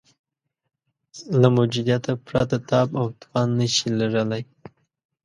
له موجودیته پرته تاب او توان نه شي لرلای.